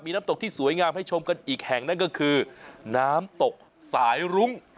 น้ำตกที่สวยงามให้ชมกันอีกแห่งนั่นก็คือน้ำตกสายรุ้ง